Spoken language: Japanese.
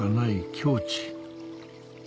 境地